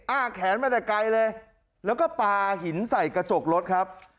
อ้าแขนมาแต่ไกลเลยแล้วก็ปลาหินใส่กระจกรถครับ